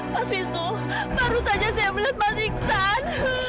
mas wisto baru saja saya mulai mas iksan